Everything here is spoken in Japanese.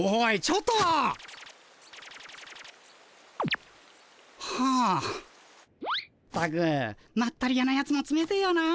ったくまったり屋のやつもつめてえよな。